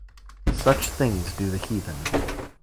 Such things do the heathen.